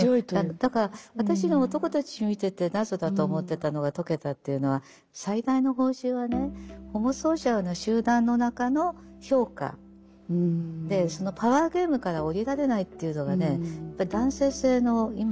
だから私が男たち見てて謎だと思ってたのが解けたというのは最大の報酬はねホモソーシャルな集団の中の評価そのパワーゲームから降りられないというのがね男性性の今の核にあるんだと思います。